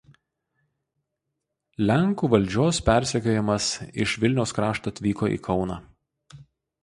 Lenkų valdžios persekiojamas iš Vilniaus krašto atvyko į Kauną.